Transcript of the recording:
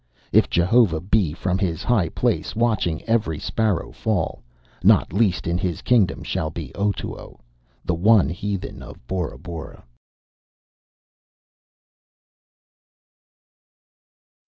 If Jehovah be from His high place watching every sparrow fall, not least in His kingdom shall be Otoo, the one heathen of Bora Bora.